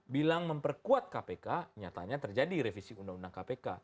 bilang memperkuat kpk nyatanya terjadi revisi undang undang kpk